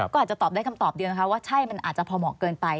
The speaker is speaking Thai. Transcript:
ก็อาจจะตอบได้คำตอบเดียวนะคะว่าใช่มันอาจจะพอเหมาะเกินไป